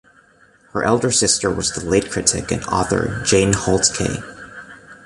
Her elder sister was the late critic and author Jane Holtz Kay.